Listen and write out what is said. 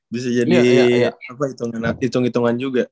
bisa jadi hitung hitungan juga